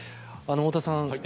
太田さん